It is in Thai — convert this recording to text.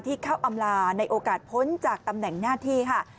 เข้าอำลาในโอกาสพ้นจากตำแหน่งหน้าที่ค่ะ